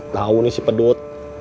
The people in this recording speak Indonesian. lau nih si pedut